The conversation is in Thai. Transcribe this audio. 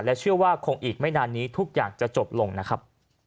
เชื่อว่าคงอีกไม่นานนี้ทุกอย่างจะจบลงนะครับ